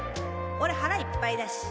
俺腹いっぱいだし。